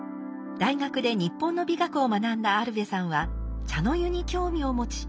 大学で日本の美学を学んだアルヴェさんは茶の湯に興味を持ち現地で習い始めました。